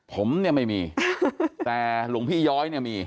ผมเนี่ยไม่มีแต่หลวงพี่ย้อยเนี่ยมี